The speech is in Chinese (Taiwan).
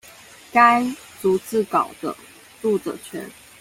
該逐字稿的著作權